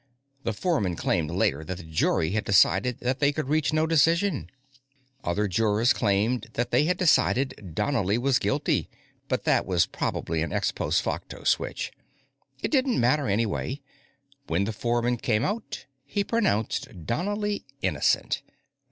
The foreman claimed later that the jury had decided that they could reach no decision. Other jurors claimed that they had decided Donnely was guilty, but that was probably an ex post facto switch. It didn't matter, anyway; when the foreman came out, he pronounced Donnely innocent.